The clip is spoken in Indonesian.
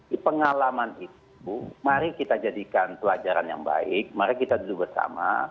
di pengalaman itu mari kita jadikan pelajaran yang baik mari kita duduk bersama